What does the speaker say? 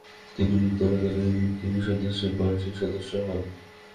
তিনি মুক্তবাজারমুখী স্বতন্ত্র পার্টির সদস্য হন।